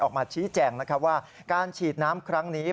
ออกมาชี้แจงนะครับว่าการฉีดน้ำครั้งนี้